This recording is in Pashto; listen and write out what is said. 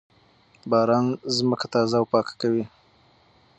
باران ځمکه تازه او پاکه کوي.